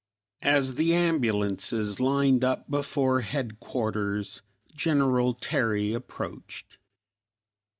As the ambulances lined up before headquarters, General Terry approached.